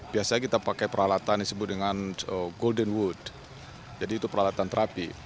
biasanya kita pakai peralatan disebut dengan golden wood jadi itu peralatan terapi